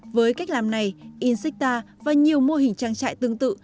với cách làm này insecta và nhiều mô hình trang trại tương tự